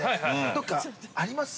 どっかあります？